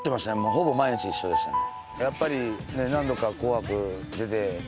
ほぼ毎日一緒でしたね。